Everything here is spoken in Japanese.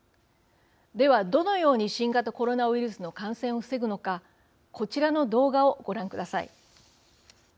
では、どのように新型コロナウイルスの感染を防ぐのかこちらの動画をご覧ください。